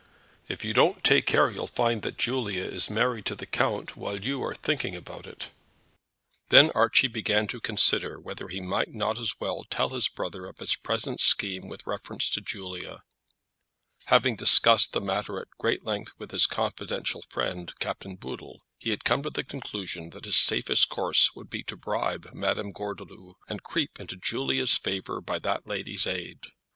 "If you don't take care you'll find that Julia is married to the count while you are thinking about it." Then Archie began to consider whether he might not as well tell his brother of his present scheme with reference to Julia. Having discussed the matter at great length with his confidential friend, Captain Boodle, he had come to the conclusion that his safest course would be to bribe Madame Gordeloup, and creep into Julia's favour by that lady's aid.